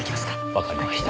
わかりました。